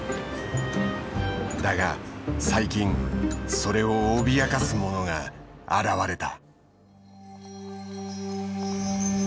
だが最近それを脅かすものが現れた。